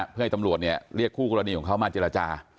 เพื่อให้ตำรวจเนี่ยเรียกผู้กรณีของเขามาจระจา